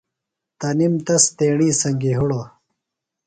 تنِم تس تیݨی سنگیۡ ہِڑوۡ۔